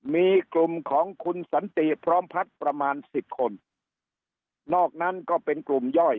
มีกลุ่มของคุณสันติพร้อมพัฒน์ประมาณสิบคนนอกนั้นก็เป็นกลุ่มย่อย